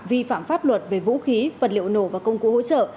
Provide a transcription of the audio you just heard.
vi phạm pháp luật về vũ khí vật liệu nổ và công cụ hỗ trợ